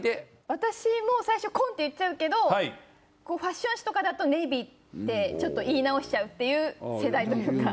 私も最初紺って言っちゃうけどファッション誌とかだとネイビーってちょっと言い直しちゃうっていう世代というか。